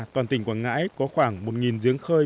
toàn tỉnh quảng ngãi có khoảng một giếng khơi